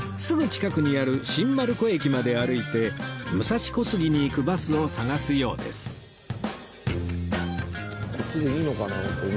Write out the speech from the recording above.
すぐ近くにある新丸子駅まで歩いて武蔵小杉に行くバスを探すようです